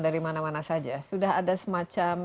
dari mana mana saja sudah ada semacam